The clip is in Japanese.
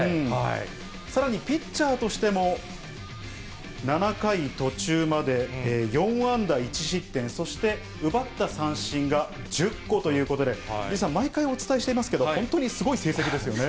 さらにピッチャーとしても、７回途中まで４安打１失点、そして、奪った三振が１０個ということで、藤井さん、毎回お伝えしていますけれども、本当にすごい成績ですよね。